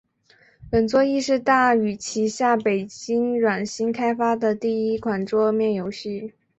本作亦是大宇旗下北京软星开发的第一款桌面游戏。